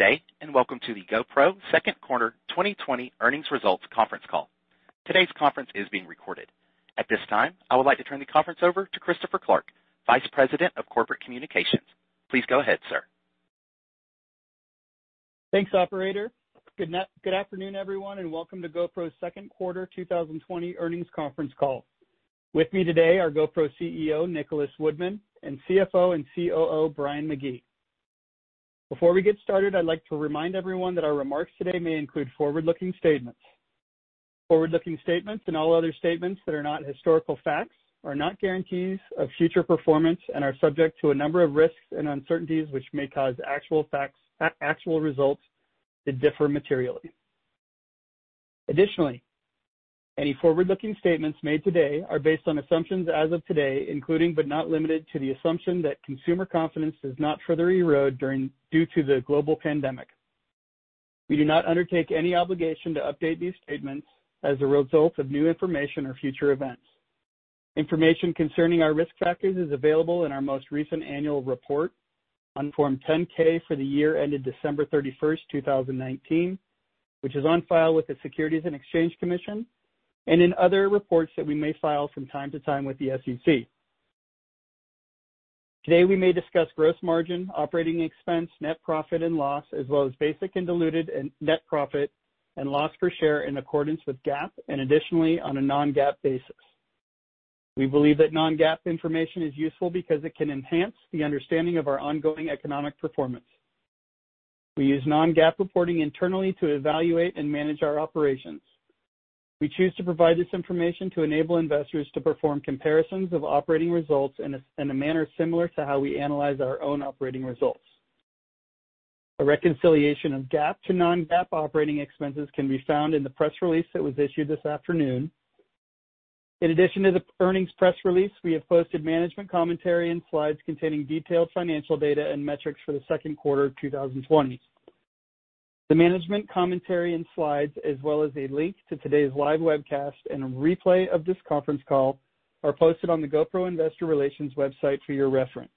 Good day, and welcome to the GoPro Second Quarter 2020 earnings results conference call. Today's conference is being recorded. At this time, I would like to turn the conference over to Christopher Clark, Vice President of Corporate Communications. Please go ahead, sir. Thanks, Operator. Good afternoon, everyone, and welcome to GoPro's Second Quarter 2020 earnings conference call. With me today are GoPro CEO, Nicholas Woodman, and CFO and COO, Brian McGee. Before we get started, I'd like to remind everyone that our remarks today may include forward-looking statements. Forward-looking statements and all other statements that are not historical facts are not guarantees of future performance and are subject to a number of risks and uncertainties which may cause actual results to differ materially. Additionally, any forward-looking statements made today are based on assumptions as of today, including but not limited to the assumption that consumer confidence does not further erode due to the global pandemic. We do not undertake any obligation to update these statements as a result of new information or future events. Information concerning our risk factors is available in our most recent annual report on Form 10-K for the year ended December 31, 2019, which is on file with the Securities and Exchange Commission and in other reports that we may file from time to time with the SEC. Today, we may discuss gross margin, operating expense, net profit and loss, as well as basic and diluted net profit and loss per share in accordance with GAAP and additionally on a non-GAAP basis. We believe that non-GAAP information is useful because it can enhance the understanding of our ongoing economic performance. We use non-GAAP reporting internally to evaluate and manage our operations. We choose to provide this information to enable investors to perform comparisons of operating results in a manner similar to how we analyze our own operating results. A reconciliation of GAAP to non-GAAP operating expenses can be found in the press release that was issued this afternoon. In addition to the earnings press release, we have posted management commentary and slides containing detailed financial data and metrics for the second quarter of 2020. The management commentary and slides, as well as a link to today's live webcast and a replay of this conference call, are posted on the GoPro Investor Relations website for your reference.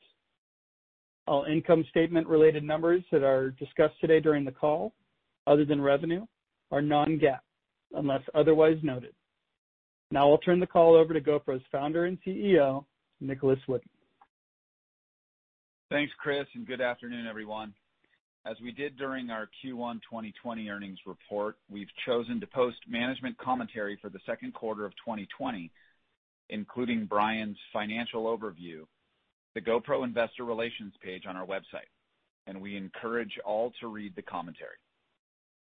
All income statement-related numbers that are discussed today during the call, other than revenue, are non-GAAP unless otherwise noted. Now I'll turn the call over to GoPro's founder and CEO, Nicholas Woodman. Thanks, Chris, and good afternoon, everyone. As we did during our Q1 2020 earnings report, we've chosen to post management commentary for the second quarter of 2020, including Brian's financial overview, the GoPro Investor Relations page on our website, and we encourage all to read the commentary.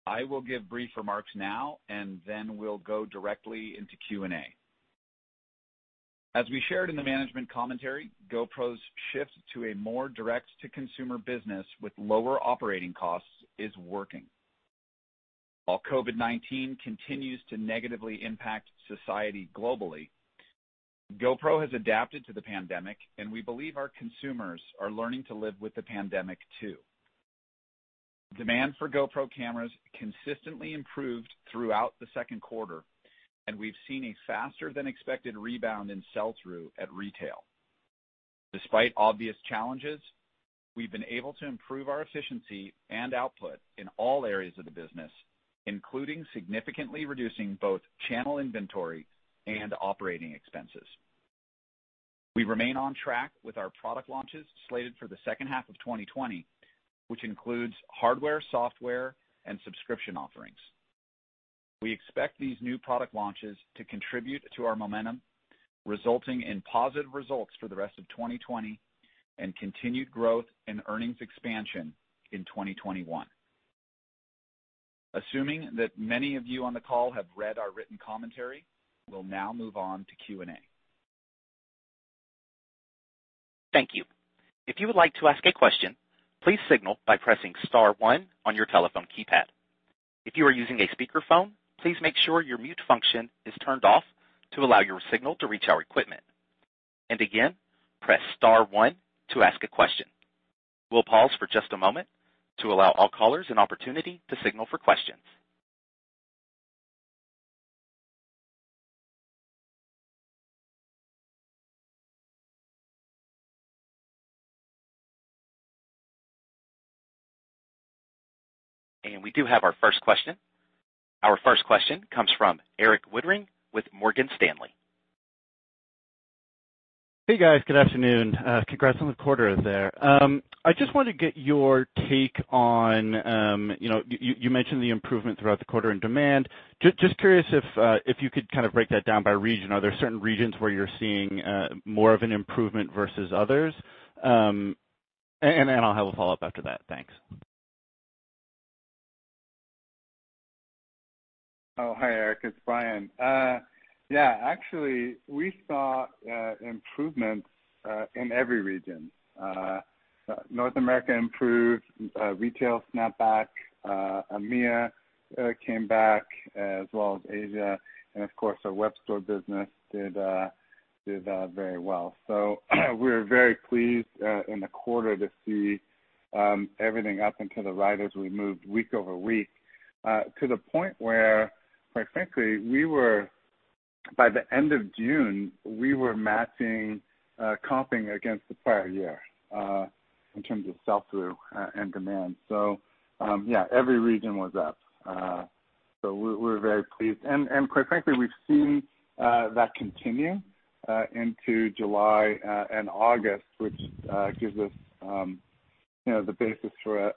I will give brief remarks now, and then we'll go directly into Q&A. As we shared in the management commentary, GoPro's shift to a more direct-to-consumer business with lower operating costs is working. While COVID-19 continues to negatively impact society globally, GoPro has adapted to the pandemic, and we believe our consumers are learning to live with the pandemic too. Demand for GoPro cameras consistently improved throughout the second quarter, and we've seen a faster-than-expected rebound in sell-through at retail. Despite obvious challenges, we've been able to improve our efficiency and output in all areas of the business, including significantly reducing both channel inventory and operating expenses. We remain on track with our product launches slated for the second half of 2020, which includes hardware, software, and subscription offerings. We expect these new product launches to contribute to our momentum, resulting in positive results for the rest of 2020 and continued growth and earnings expansion in 2021. Assuming that many of you on the call have read our written commentary, we'll now move on to Q&A. Thank you. If you would like to ask a question, please signal by pressing star one on your telephone keypad. If you are using a speakerphone, please make sure your mute function is turned off to allow your signal to reach our equipment. Again, press star one to ask a question. We'll pause for just a moment to allow all callers an opportunity to signal for questions. We do have our first question. Our first question comes from Erik Woodring with Morgan Stanley. Hey, guys. Good afternoon. Congrats on the quarter there. I just wanted to get your take on, you mentioned the improvement throughout the quarter in demand. Just curious if you could kind of break that down by region. Are there certain regions where you're seeing more of an improvement versus others? I will have a follow-up after that. Thanks. Oh, hi, Erik. It's Brian. Yeah, actually, we saw improvements in every region. North America improved, retail snapped back, EMEA came back, as well as Asia. Of course, our web store business did very well. We were very pleased in the quarter to see everything up and to the right as we moved week over week, to the point where, quite frankly, by the end of June, we were comping against the prior year in terms of sell-through and demand. Yeah, every region was up. We were very pleased. Quite frankly, we've seen that continue into July and August, which gives us the basis for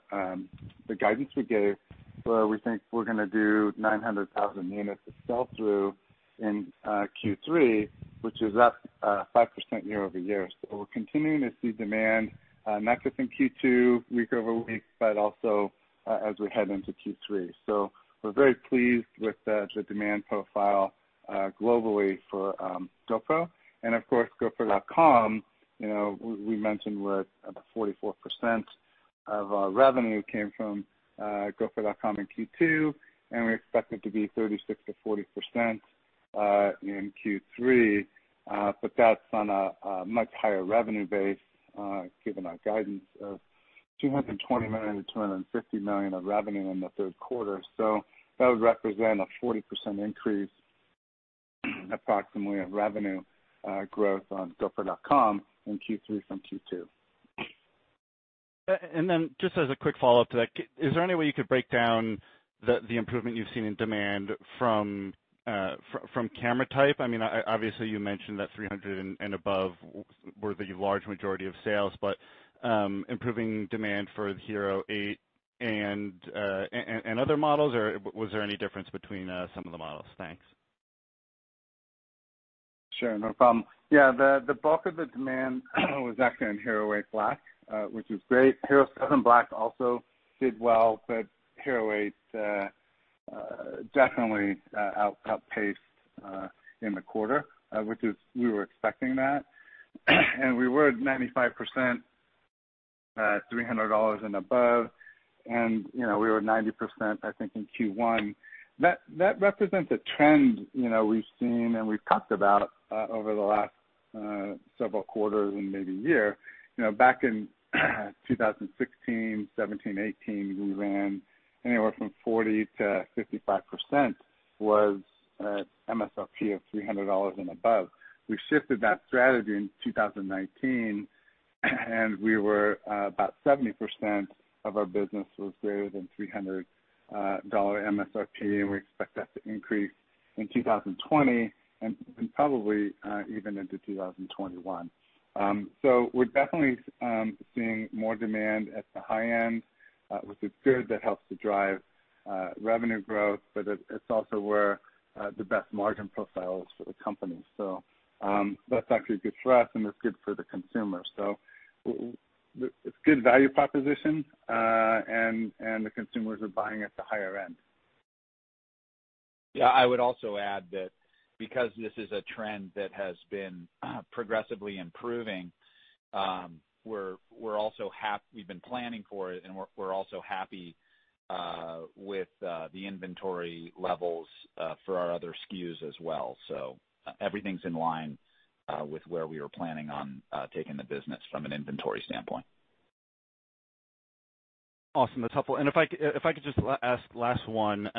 the guidance we gave where we think we're going to do 900,000 units of sell-through in Q3, which is up 5% year-over-year. We're continuing to see demand, not just in Q2 week over week, but also as we head into Q3. We're very pleased with the demand profile globally for GoPro. GoPro.com, we mentioned we're at 44% of our revenue came from GoPro.com in Q2, and we expect it to be 36%-40% in Q3. That's on a much higher revenue base given our guidance of $220 million-$250 million of revenue in the third quarter. That would represent a 40% increase approximately in revenue growth on GoPro.com in Q3 from Q2. Just as a quick follow-up to that, is there any way you could break down the improvement you've seen in demand from camera type? I mean, obviously, you mentioned that $300 and above were the large majority of sales, but improving demand for the HERO8 and other models, or was there any difference between some of the models? Thanks. Sure, no problem. Yeah, the bulk of the demand was actually on HERO8 Black, which was great. HERO7 Black also did well, but HERO8 definitely outpaced in the quarter, which we were expecting that. We were at 95%, $300 and above, and we were at 90%, I think, in Q1. That represents a trend we've seen and we've talked about over the last several quarters and maybe a year. Back in 2016, 2017, 2018, we ran anywhere from 40%-55% was an MSRP of $300 and above. We shifted that strategy in 2019, and we were about 70% of our business was greater than $300 MSRP, and we expect that to increase in 2020 and probably even into 2021. We are definitely seeing more demand at the high end, which is good. That helps to drive revenue growth, but it's also where the best margin profile is for the company. That's actually good for us, and it's good for the consumer. It's a good value proposition, and the consumers are buying at the higher end. Yeah, I would also add that because this is a trend that has been progressively improving, we're also happy we've been planning for it, and we're also happy with the inventory levels for our other SKUs as well. Everything's in line with where we were planning on taking the business from an inventory standpoint. Awesome. That's helpful. If I could just ask last one,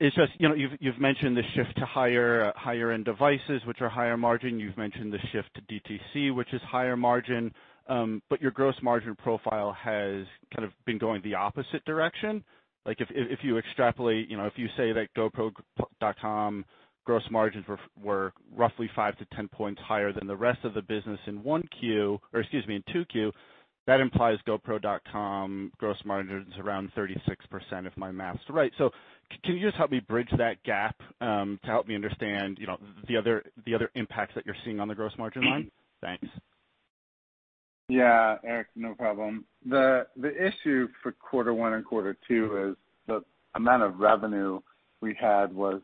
it's just you've mentioned the shift to higher-end devices, which are higher margin. You've mentioned the shift to DTC, which is higher margin, but your gross margin profile has kind of been going the opposite direction. If you extrapolate, if you say that GoPro.com gross margins were roughly 5-10 points higher than the rest of the business in 1Q or, excuse me, in 2Q, that implies GoPro.com gross margins around 36%, if my math's right. Can you just help me bridge that gap to help me understand the other impacts that you're seeing on the gross margin line? Thanks. Yeah, Erik, no problem. The issue for quarter one and quarter two is the amount of revenue we had was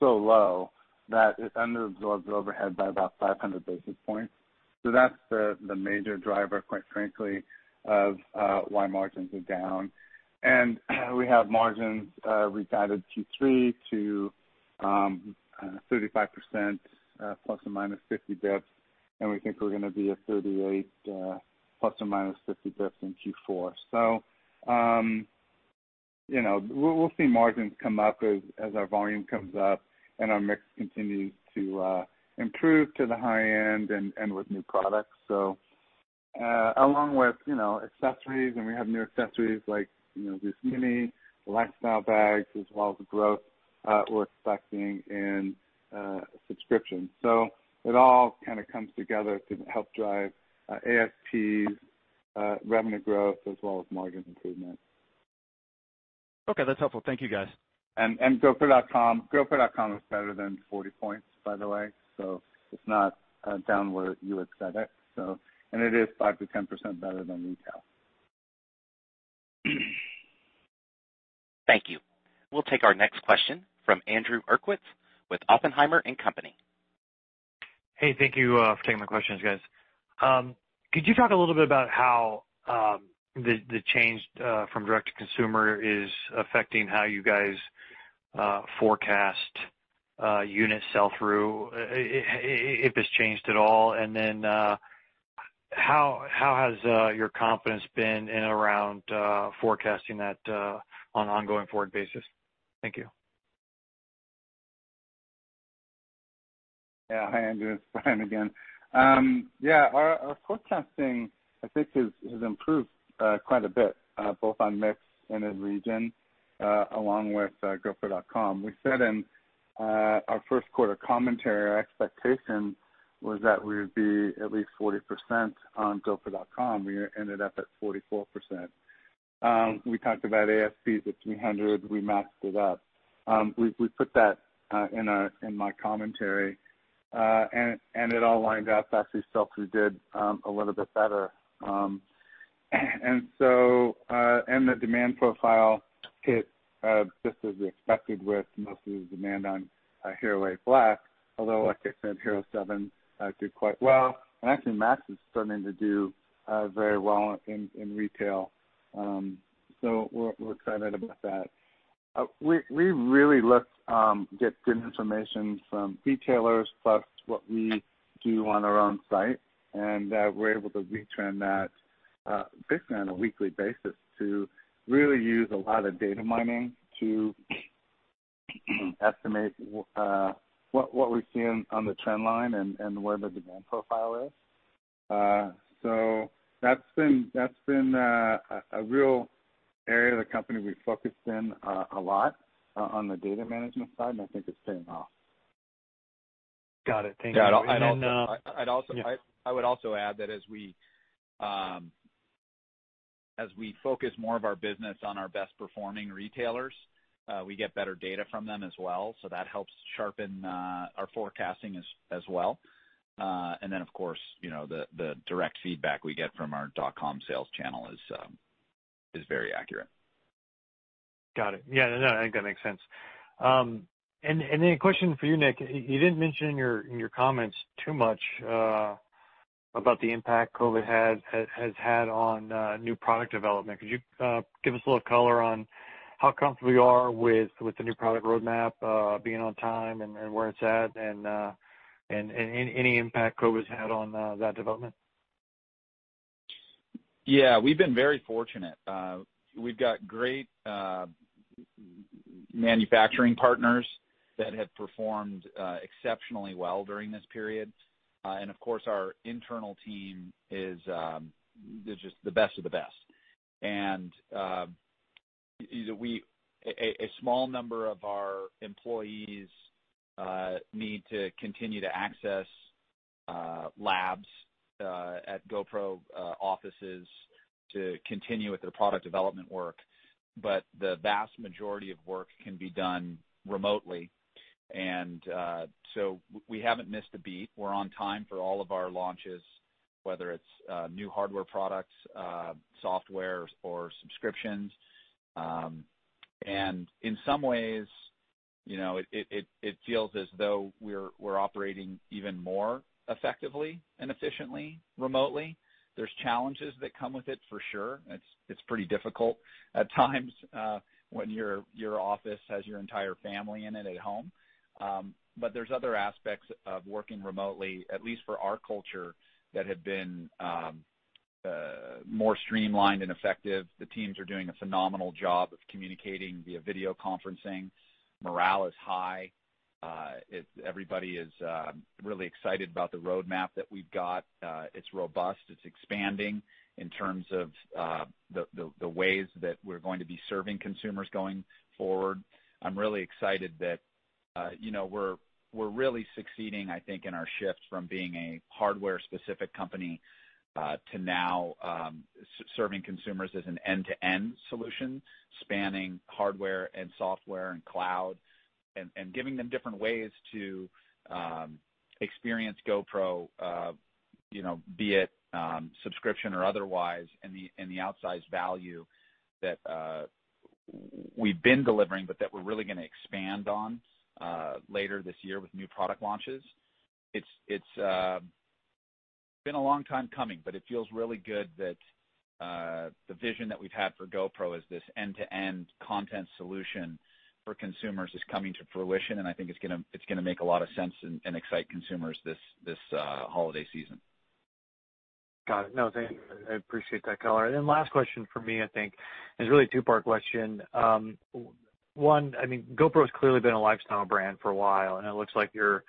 so low that it underabsorbed the overhead by about 500 basis points. That is the major driver, quite frankly, of why margins are down. We have margins regatted Q3 to 35%, plus or minus 50 basis points, and we think we're going to be at 38%, plus or minus 50 basis points in Q4. We will see margins come up as our volume comes up and our mix continues to improve to the high end with new products. Along with accessories, we have new accessories like these mini lifestyle bags, as well as growth we are expecting in subscriptions. It all kind of comes together to help drive ASPs, revenue growth, as well as margin improvement. Okay, that's helpful. Thank you, guys. GoPro.com is better than 40 points, by the way. It is 5%-10% better than retail. Thank you. We'll take our next question from Andrew Urquhart with Oppenheimer and Company. Hey, thank you for taking my questions, guys. Could you talk a little bit about how the change from direct-to-consumer is affecting how you guys forecast unit sell-through, if it's changed at all? How has your confidence been in and around forecasting that on an ongoing forward basis? Thank you. Yeah, hi, Andrew. It's Brian again. Yeah, our forecasting, I think, has improved quite a bit, both on mix and in region, along with GoPro.com. We said in our first quarter commentary, our expectation was that we would be at least 40% on GoPro.com. We ended up at 44%. We talked about ASPs at 300. We maxed it up. We put that in my commentary, and it all lined up. Actually, sell-through did a little bit better. The demand profile hit just as we expected with most of the demand on HERO8 Black, although, like I said, HERO7 did quite well. Actually, MAX is starting to do very well in retail. We are excited about that. We really get good information from retailers, plus what we do on our own site, and we're able to retain that basically on a weekly basis to really use a lot of data mining to estimate what we've seen on the trend line and where the demand profile is. That has been a real area of the company we've focused in a lot on the data management side, and I think it's paying off. Got it. Thank you. Yeah, I would also add that as we focus more of our business on our best-performing retailers, we get better data from them as well. That helps sharpen our forecasting as well. Of course, the direct feedback we get from our dot-com sales channel is very accurate. Got it. Yeah, no, I think that makes sense. A question for you, Nick. You didn't mention in your comments too much about the impact COVID has had on new product development. Could you give us a little color on how comfortable you are with the new product roadmap, being on time and where it's at, and any impact COVID's had on that development? Yeah, we've been very fortunate. We've got great manufacturing partners that have performed exceptionally well during this period. Of course, our internal team is just the best of the best. A small number of our employees need to continue to access labs at GoPro offices to continue with their product development work. The vast majority of work can be done remotely. We haven't missed a beat. We're on time for all of our launches, whether it's new hardware products, software, or subscriptions. In some ways, it feels as though we're operating even more effectively and efficiently remotely. There are challenges that come with it, for sure. It's pretty difficult at times when your office has your entire family in it at home. There are other aspects of working remotely, at least for our culture, that have been more streamlined and effective. The teams are doing a phenomenal job of communicating via video conferencing. Morale is high. Everybody is really excited about the roadmap that we've got. It's robust. It's expanding in terms of the ways that we're going to be serving consumers going forward. I'm really excited that we're really succeeding, I think, in our shift from being a hardware-specific company to now serving consumers as an end-to-end solution, spanning hardware and software and cloud, and giving them different ways to experience GoPro, be it subscription or otherwise, and the outsized value that we've been delivering, but that we're really going to expand on later this year with new product launches. It's been a long time coming, but it feels really good that the vision that we've had for GoPro as this end-to-end content solution for consumers is coming to fruition, and I think it's going to make a lot of sense and excite consumers this holiday season. Got it. No, thank you. I appreciate that color. Last question for me, I think, is really a two-part question. One, I mean, GoPro has clearly been a lifestyle brand for a while, and it looks like you're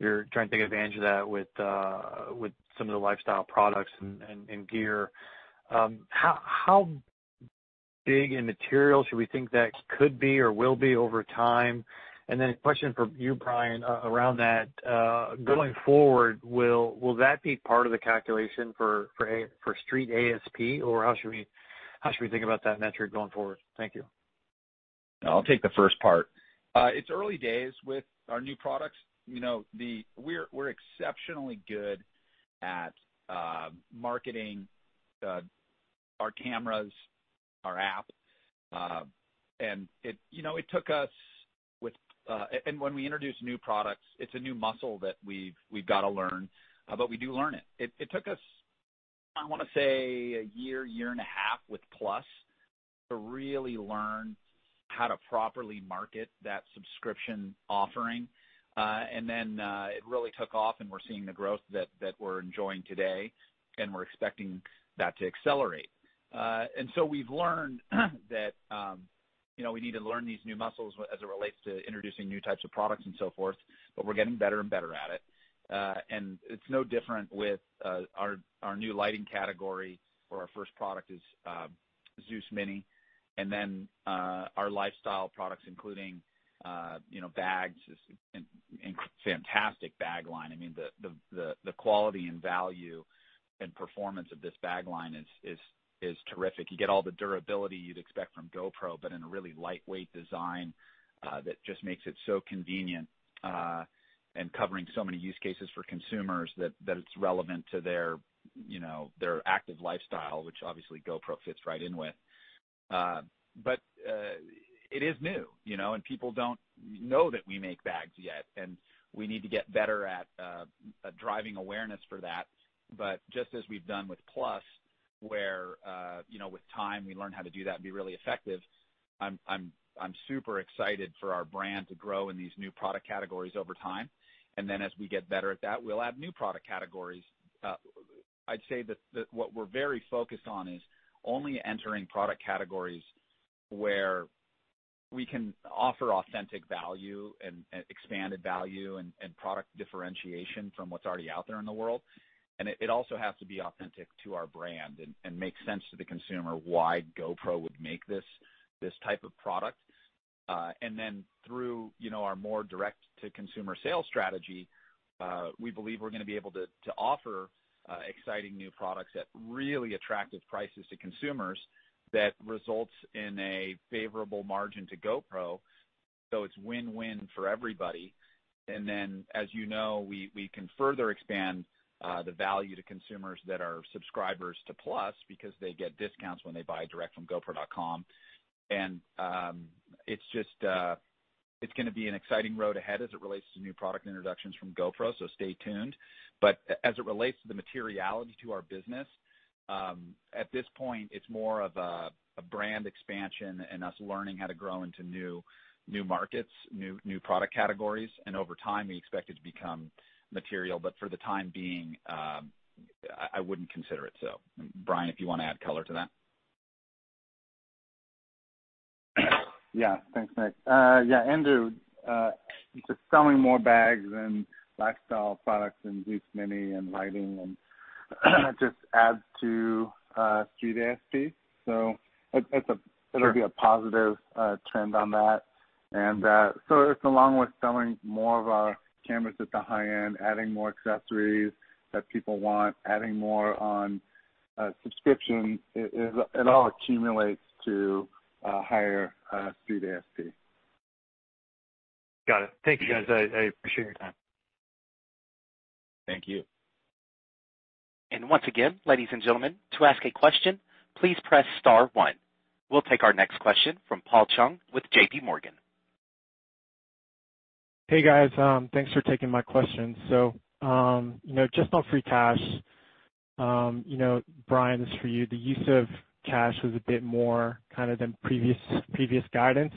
trying to take advantage of that with some of the lifestyle products and gear. How big in materials should we think that could be or will be over time? A question for you, Brian, around that. Going forward, will that be part of the calculation for street ASP, or how should we think about that metric going forward? Thank you. I'll take the first part. It's early days with our new products. We're exceptionally good at marketing our cameras, our app. It took us, with and when we introduce new products, it's a new muscle that we've got to learn, but we do learn it. It took us, I want to say, a year, year and a half with Plus to really learn how to properly market that subscription offering. Then it really took off, and we're seeing the growth that we're enjoying today, and we're expecting that to accelerate. We've learned that we need to learn these new muscles as it relates to introducing new types of products and so forth, but we're getting better and better at it. It's no different with our new lighting category where our first product is Zeus Mini. Then our lifestyle products, including bags, fantastic bag line. I mean, the quality and value and performance of this bag line is terrific. You get all the durability you'd expect from GoPro, but in a really lightweight design that just makes it so convenient and covering so many use cases for consumers that it's relevant to their active lifestyle, which obviously GoPro fits right in with. It is new, and people don't know that we make bags yet, and we need to get better at driving awareness for that. Just as we've done with Plus, where with time we learn how to do that and be really effective, I'm super excited for our brand to grow in these new product categories over time. As we get better at that, we'll add new product categories. I'd say that what we're very focused on is only entering product categories where we can offer authentic value and expanded value and product differentiation from what's already out there in the world. It also has to be authentic to our brand and make sense to the consumer why GoPro would make this type of product. Through our more direct-to-consumer sales strategy, we believe we're going to be able to offer exciting new products at really attractive prices to consumers that results in a favorable margin to GoPro. It's win-win for everybody. As you know, we can further expand the value to consumers that are subscribers to Plus because they get discounts when they buy direct from GoPro.com. It's going to be an exciting road ahead as it relates to new product introductions from GoPro, so stay tuned. As it relates to the materiality to our business, at this point, it's more of a brand expansion and us learning how to grow into new markets, new product categories. Over time, we expect it to become material. For the time being, I wouldn't consider it so. Brian, if you want to add color to that. Yeah, thanks, Nick. Yeah, Andrew, just selling more bags and lifestyle products and Zeus Mini and lighting and just add to street ASP. It'll be a positive trend on that. Along with selling more of our cameras at the high end, adding more accessories that people want, adding more on subscription, it all accumulates to higher street ASP. Got it. Thank you, guys. I appreciate your time. Thank you. Once again, ladies and gentlemen, to ask a question, please press star one. We'll take our next question from Paul Chung with JPMorgan. Hey, guys. Thanks for taking my question. Just on free cash, Brian, this is for you. The use of cash was a bit more kind of than previous guidance.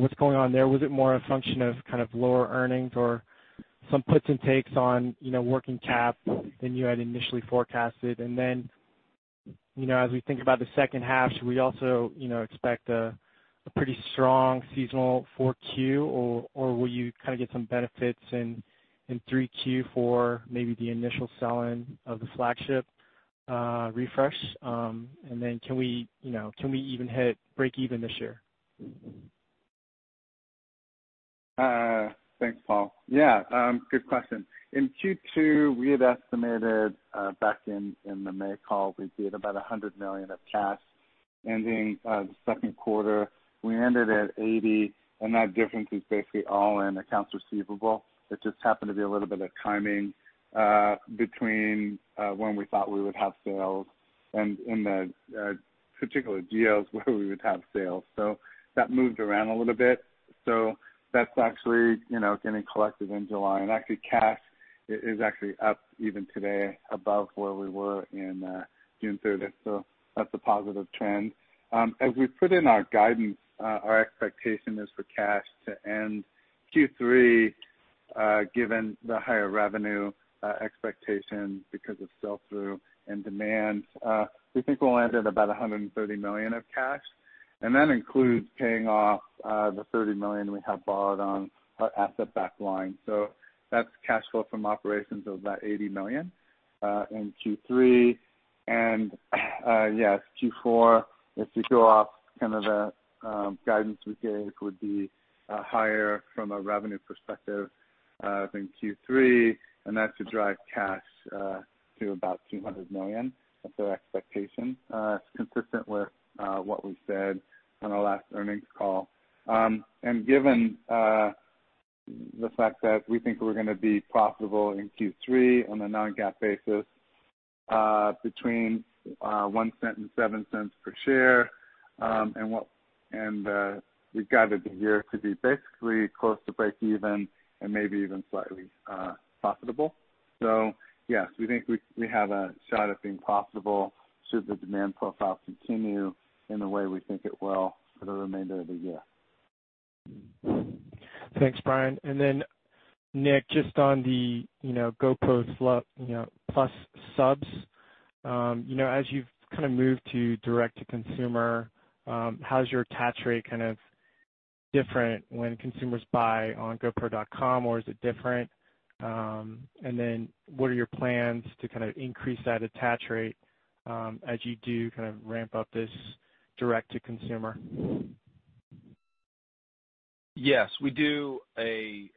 What's going on there? Was it more a function of kind of lower earnings or some puts and takes on working cap than you had initially forecasted? As we think about the second half, should we also expect a pretty strong seasonal 4Q, or will you kind of get some benefits in 3Q for maybe the initial selling of the flagship refresh? Can we even hit break even this year? Thanks, Paul. Yeah, good question. In Q2, we had estimated back in the May call, we did about $100 million of cash ending the second quarter. We ended at $80 million, and that difference is basically all in accounts receivable. It just happened to be a little bit of timing between when we thought we would have sales and in the particular deals where we would have sales. That moved around a little bit. That is actually getting collected in July. Actually, cash is actually up even today above where we were on June 30th. That is a positive trend. As we put in our guidance, our expectation is for cash to end Q3, given the higher revenue expectation because of sell-through and demand. We think we will end at about $130 million of cash. That includes paying off the $30 million we have borrowed on our asset backline. That's cash flow from operations of about $80 million in Q3. Yes, Q4, if we go off kind of the guidance we gave, would be higher from a revenue perspective than Q3. That's to drive cash to about $200 million. That's our expectation. It's consistent with what we said on our last earnings call. Given the fact that we think we're going to be profitable in Q3 on a non-GAAP basis between $0.01 and $0.07 per share, and we've got it here to be basically close to break even and maybe even slightly profitable. Yes, we think we have a shot at being profitable should the demand profile continue in the way we think it will for the remainder of the year. Thanks, Brian. Nick, just on the GoPro Plus subs, as you've kind of moved to direct-to-consumer, how's your attach rate kind of different when consumers buy on GoPro.com, or is it different? What are your plans to kind of increase that attach rate as you do kind of ramp up this direct-to-consumer? Yes, we do a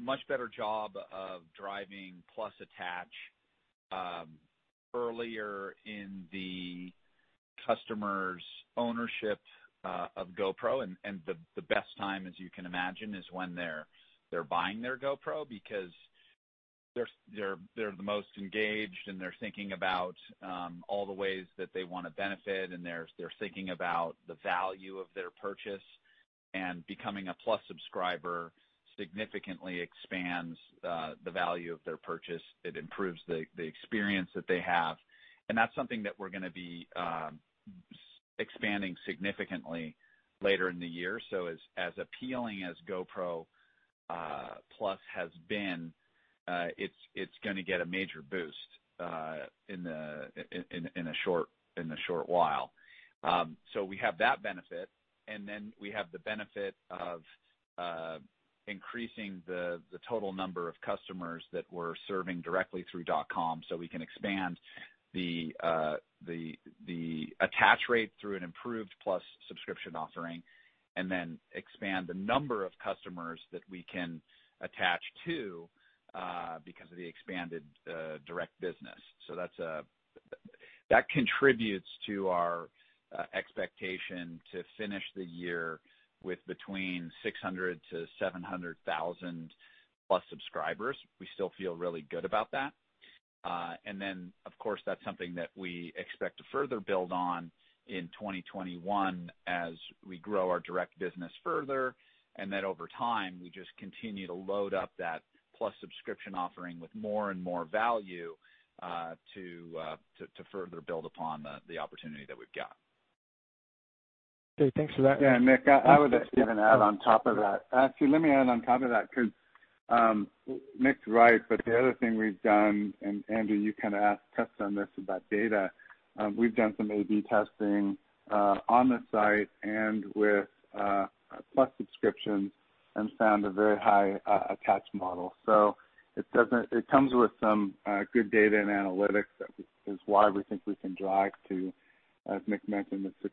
much better job of driving Plus attach earlier in the customer's ownership of GoPro. The best time, as you can imagine, is when they're buying their GoPro because they're the most engaged and they're thinking about all the ways that they want to benefit. They're thinking about the value of their purchase. Becoming a Plus subscriber significantly expands the value of their purchase. It improves the experience that they have. That's something that we're going to be expanding significantly later in the year. As appealing as GoPro Plus has been, it's going to get a major boost in a short while. We have that benefit. We have the benefit of increasing the total number of customers that we're serving directly through dot com, so we can expand the attach rate through an improved Plus subscription offering and then expand the number of customers that we can attach to because of the expanded direct business. That contributes to our expectation to finish the year with between 600,000-700,000 Plus subscribers. We still feel really good about that. Of course, that's something that we expect to further build on in 2021 as we grow our direct business further. Over time, we just continue to load up that Plus subscription offering with more and more value to further build upon the opportunity that we've got. Okay, thanks for that. Yeah, Nick, I would just even add on top of that. Actually, let me add on top of that because Nick's right, but the other thing we've done, and Andrew, you kind of touched on this about data, we've done some A/B testing on the site and with Plus subscriptions and found a very high attach model. It comes with some good data and analytics that is why we think we can drive to, as Nick mentioned, the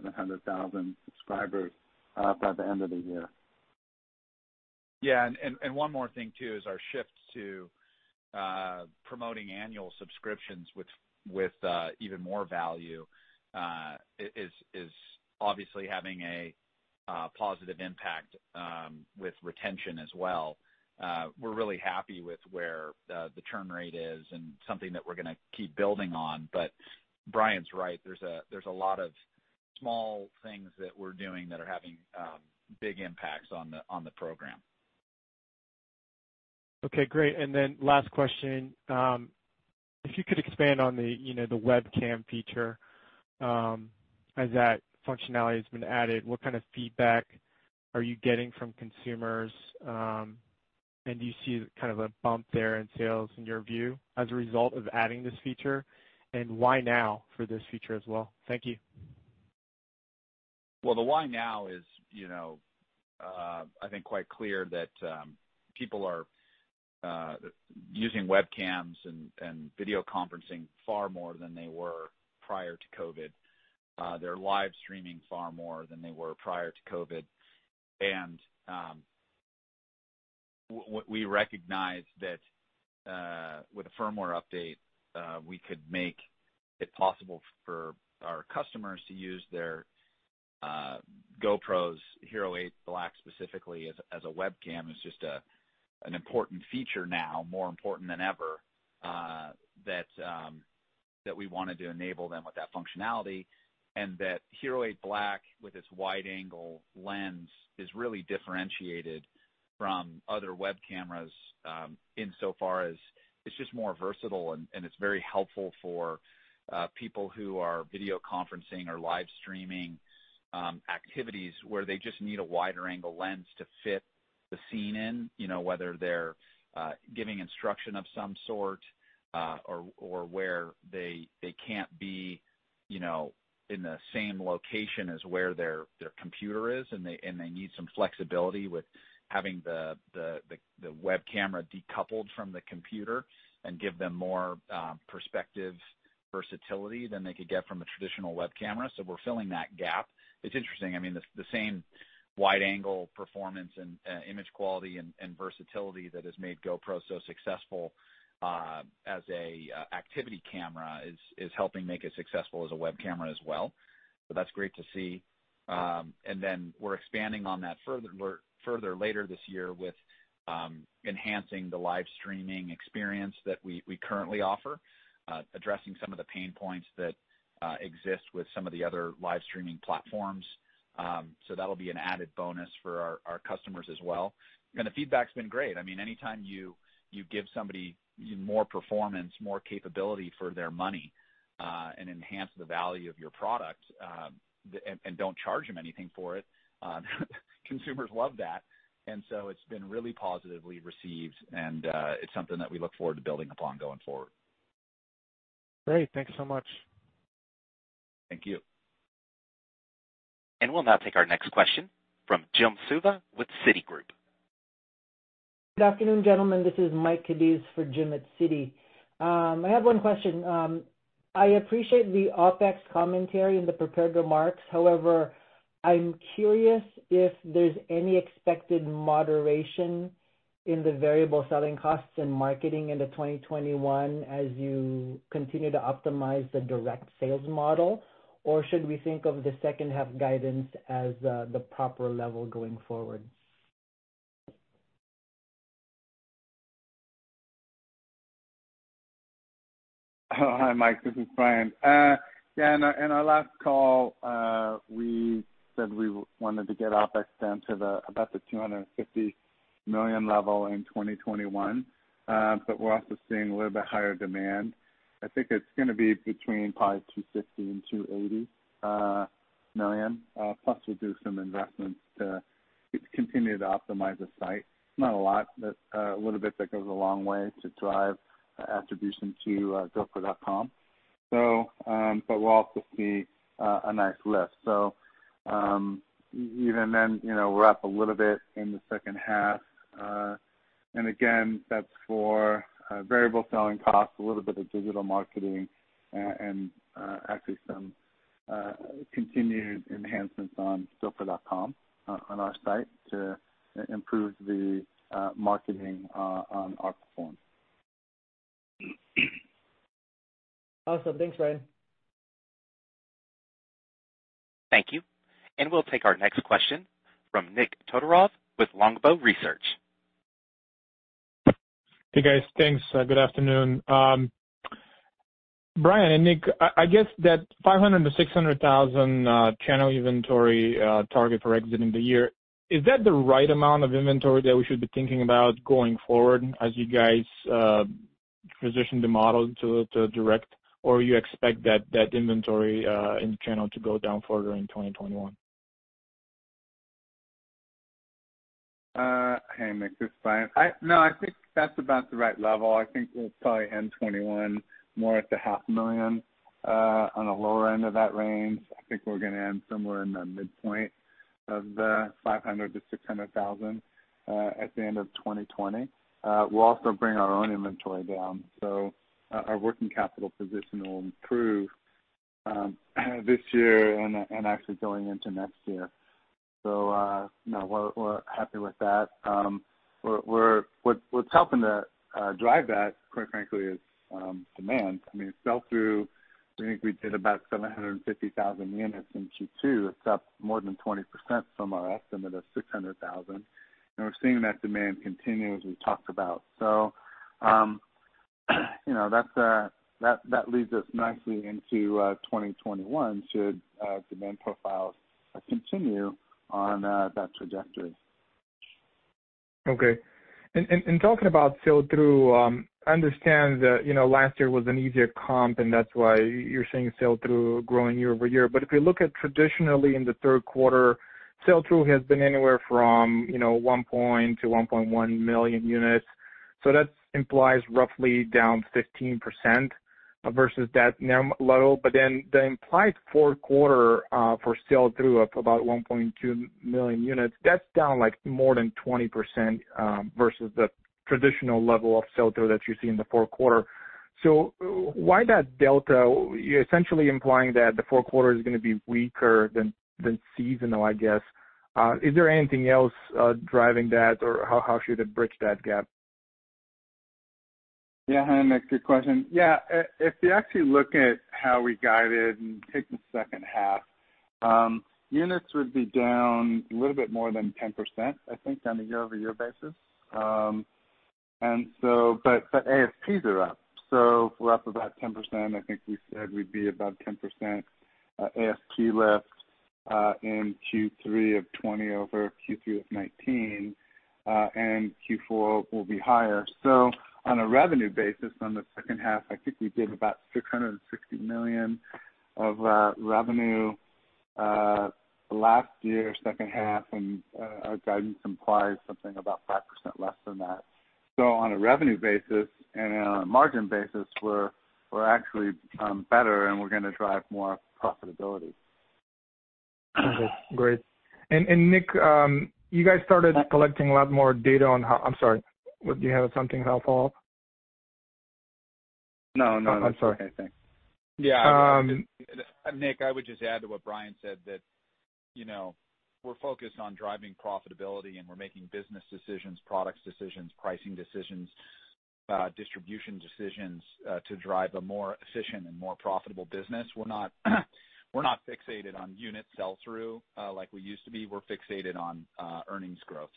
600,000-700,000 subscribers by the end of the year. Yeah. One more thing too is our shift to promoting annual subscriptions with even more value is obviously having a positive impact with retention as well. We're really happy with where the churn rate is and something that we're going to keep building on. Brian's right. There are a lot of small things that we're doing that are having big impacts on the program. Okay, great. Last question. If you could expand on the webcam feature, as that functionality has been added, what kind of feedback are you getting from consumers? Do you see kind of a bump there in sales in your view as a result of adding this feature? Why now for this feature as well? Thank you. The why now is, I think, quite clear that people are using webcams and video conferencing far more than they were prior to COVID. They're live streaming far more than they were prior to COVID. We recognize that with a firmware update, we could make it possible for our customers to use their GoPro Hero8 Black specifically as a webcam. It's just an important feature now, more important than ever, that we wanted to enable them with that functionality. That Hero8 Black with its wide-angle lens is really differentiated from other web cameras in so far as it's just more versatile, and it's very helpful for people who are video conferencing or live streaming activities where they just need a wider-angle lens to fit the scene in, whether they're giving instruction of some sort or where they can't be in the same location as where their computer is. They need some flexibility with having the web camera decoupled from the computer and give them more perspective versatility than they could get from a traditional web camera. We're filling that gap. It's interesting. I mean, the same wide-angle performance and image quality and versatility that has made GoPro so successful as an activity camera is helping make it successful as a web camera as well. That's great to see. We're expanding on that further later this year with enhancing the live streaming experience that we currently offer, addressing some of the pain points that exist with some of the other live streaming platforms. That'll be an added bonus for our customers as well. The feedback's been great. I mean, anytime you give somebody more performance, more capability for their money, and enhance the value of your product and don't charge them anything for it, consumers love that. It's been really positively received, and it's something that we look forward to building upon going forward. Great. Thanks so much. Thank you. We will now take our next question from Jim Suva with Citigroup. Good afternoon, gentlemen. This is Mike Cadiz for Jim at Citi. I have one question. I appreciate the OpEx commentary and the prepared remarks. However, I'm curious if there's any expected moderation in the variable selling costs and marketing into 2021 as you continue to optimize the direct sales model, or should we think of the second-half guidance as the proper level going forward? Hi, Mike. This is Brian. Yeah, in our last call, we said we wanted to get OpEx down to about the $250 million level in 2021. But we're also seeing a little bit higher demand. I think it's going to be between probably $250 million and $280 million. Plus, we'll do some investments to continue to optimize the site. It's not a lot, but a little bit that goes a long way to drive attribution to GoPro.com. We'll also see a nice lift. Even then, we're up a little bit in the second half. Again, that's for variable selling costs, a little bit of digital marketing, and actually some continued enhancements on GoPro.com on our site to improve the marketing on our platform. Awesome. Thanks, Brian. Thank you. We'll take our next question from Nik Todorov with Longbow Research. Hey, guys. Thanks. Good afternoon. Brian and Nick, I guess that 500,000-600,000 channel inventory target for exiting the year, is that the right amount of inventory that we should be thinking about going forward as you guys transition the model to direct? Or you expect that inventory in the channel to go down further in 2021? Hey, Nik, this is Brian. No, I think that's about the right level. I think we'll probably end 2021 more at $500,000 on the lower end of that range. I think we're going to end somewhere in the midpoint of the $500,000-$600,000 at the end of 2020. We'll also bring our own inventory down. Our working capital position will improve this year and actually going into next year. No, we're happy with that. What's helping to drive that, quite frankly, is demand. I mean, sell-through, we think we did about 750,000 units in Q2, up more than 20% from our estimate of 600,000. We're seeing that demand continue as we talked about. That leads us nicely into 2021 should demand profiles continue on that trajectory. Okay. Talking about sell-through, I understand that last year was an easier comp, and that's why you're seeing sell-through growing year over year. If you look at traditionally in the third quarter, sell-through has been anywhere from 1.0-1.1 million units. That implies roughly down 15% versus that level. The implied fourth quarter for sell-through of about 1.2 million units, that's down like more than 20% versus the traditional level of sell-through that you see in the fourth quarter. Why that delta? You're essentially implying that the fourth quarter is going to be weaker than seasonal, I guess. Is there anything else driving that, or how should it bridge that gap? Yeah, hey, Nik, good question. Yeah. If you actually look at how we guided and take the second half, units would be down a little bit more than 10%, I think, on a year-over-year basis. ASPs are up. So we're up about 10%. I think we said we'd be about 10% ASP lift in Q3 of 2020 over Q3 of 2019. Q4 will be higher. On a revenue basis, on the second half, I think we did about $660 million of revenue last year, second half. Our guidance implies something about 5% less than that. On a revenue basis and on a margin basis, we're actually better, and we're going to drive more profitability. Okay, great. Nick, you guys started collecting a lot more data on how—I'm sorry. Do you have something to follow up? No, no, no. I'm sorry. I'm sorry. Yeah. Nik, I would just add to what Brian said that we're focused on driving profitability, and we're making business decisions, product decisions, pricing decisions, distribution decisions to drive a more efficient and more profitable business. We're not fixated on unit sell-through like we used to be. We're fixated on earnings growth.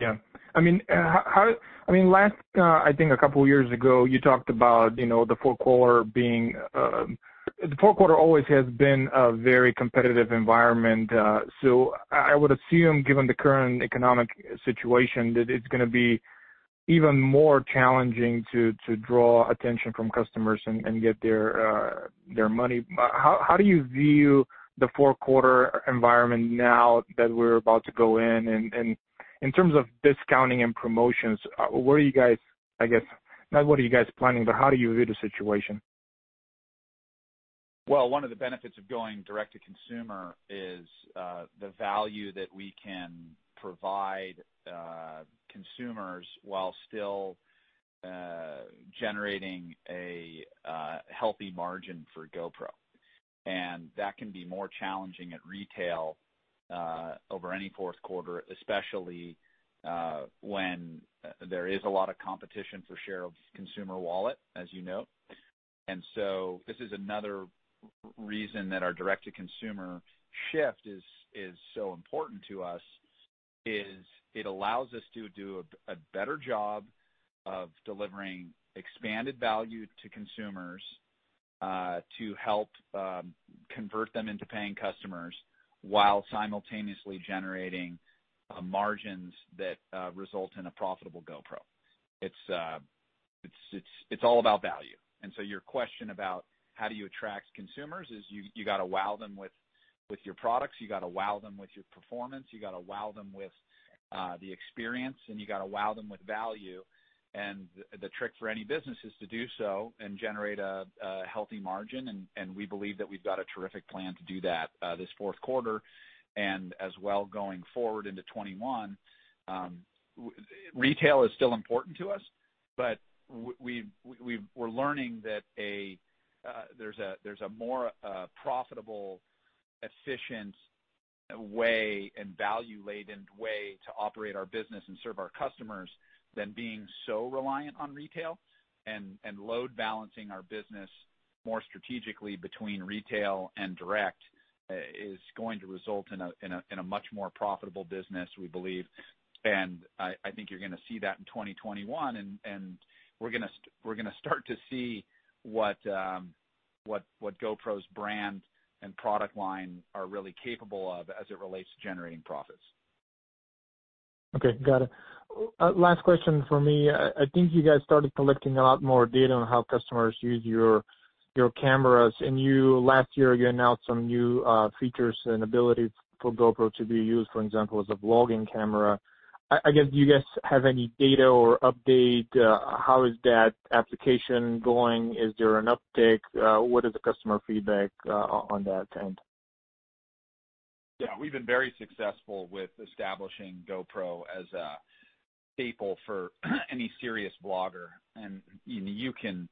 Yeah. I mean, last, I think a couple of years ago, you talked about the fourth quarter being—the fourth quarter always has been a very competitive environment. I would assume, given the current economic situation, that it's going to be even more challenging to draw attention from customers and get their money. How do you view the fourth quarter environment now that we're about to go in? In terms of discounting and promotions, what are you guys—I guess, not what are you guys planning, but how do you view the situation? One of the benefits of going direct to consumer is the value that we can provide consumers while still generating a healthy margin for GoPro. That can be more challenging at retail over any fourth quarter, especially when there is a lot of competition for share of consumer wallet, as you know. This is another reason that our direct-to-consumer shift is so important to us, as it allows us to do a better job of delivering expanded value to consumers to help convert them into paying customers while simultaneously generating margins that result in a profitable GoPro. It's all about value. Your question about how do you attract consumers is you got to wow them with your products. You got to wow them with your performance. You got to wow them with the experience, and you got to wow them with value. The trick for any business is to do so and generate a healthy margin. We believe that we've got a terrific plan to do that this fourth quarter and as well going forward into 2021. Retail is still important to us, but we're learning that there's a more profitable, efficient way and value-laden way to operate our business and serve our customers than being so reliant on retail. Load balancing our business more strategically between retail and direct is going to result in a much more profitable business, we believe. I think you're going to see that in 2021, and we're going to start to see what GoPro's brand and product line are really capable of as it relates to generating profits. Okay. Got it. Last question for me. I think you guys started collecting a lot more data on how customers use your cameras. Last year, you announced some new features and abilities for GoPro to be used, for example, as a vlogging camera. I guess, do you guys have any data or update? How is that application going? Is there an uptick? What is the customer feedback on that end? Yeah. We've been very successful with establishing GoPro as a staple for any serious vlogger. You can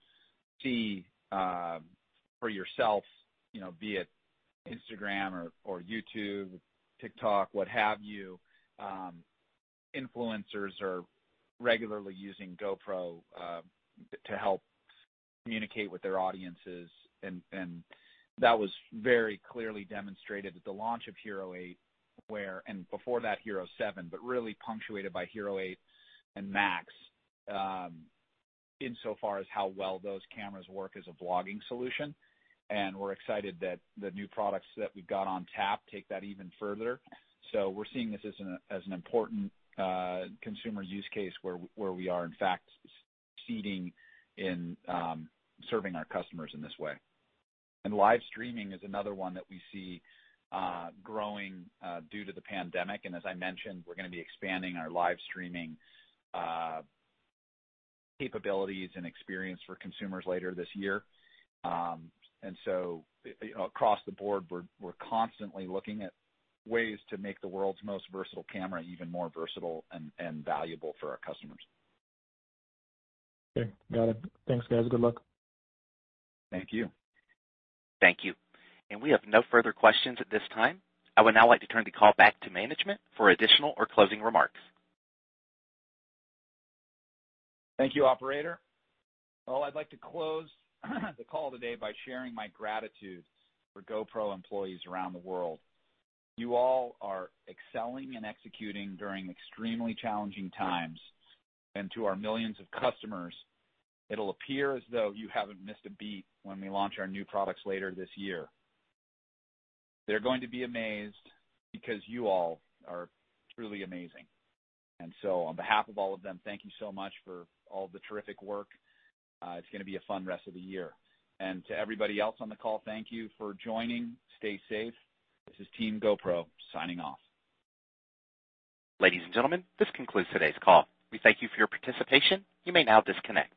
see for yourself, be it Instagram or YouTube, TikTok, what have you, influencers are regularly using GoPro to help communicate with their audiences. That was very clearly demonstrated at the launch of HERO8, and before that, HERO7, but really punctuated by HERO8 and MAX insofar as how well those cameras work as a vlogging solution. We're excited that the new products that we've got on tap take that even further. We're seeing this as an important consumer use case where we are, in fact, exceeding in serving our customers in this way. Live streaming is another one that we see growing due to the pandemic. As I mentioned, we're going to be expanding our live streaming capabilities and experience for consumers later this year. Across the board, we're constantly looking at ways to make the world's most versatile camera even more versatile and valuable for our customers. Okay. Got it. Thanks, guys. Good luck. Thank you. Thank you. We have no further questions at this time. I would now like to turn the call back to management for additional or closing remarks. Thank you, operator. I would like to close the call today by sharing my gratitude for GoPro employees around the world. You all are excelling and executing during extremely challenging times. To our millions of customers, it will appear as though you have not missed a beat when we launch our new products later this year. They are going to be amazed because you all are truly amazing. On behalf of all of them, thank you so much for all the terrific work. It is going to be a fun rest of the year. To everybody else on the call, thank you for joining. Stay safe. This is Team GoPro signing off. Ladies and gentlemen, this concludes today's call. We thank you for your participation. You may now disconnect.